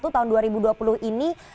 tahun dua ribu dua puluh ini